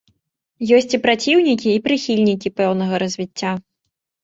Ёсць і праціўнікі і прыхільнікі пэўнага развіцця.